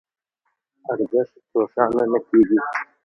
ارزش روښانه نه کېږي.